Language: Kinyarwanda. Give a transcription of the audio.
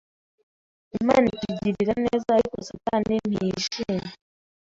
Imana itugirira neza ariko satani ntiyishima